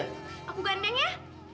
aku gandeng ya